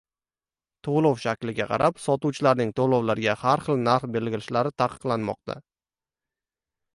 To‘lov shakliga qarab sotuvchilarning tovarga har xil narx belgilashi taqiqlanmoqda